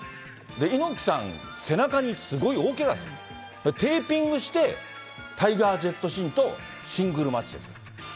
猪木さん、背中にすごい大けが、テーピングして、タイガー・ジェットシンとシングルマッチです。